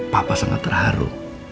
papa sangat terharu